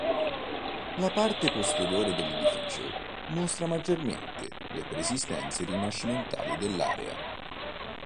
La parte posteriore dell'edificio mostra maggiormente le preesistenze rinascimentali dell'area.